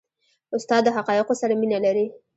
استاد د حقایقو سره مینه لري.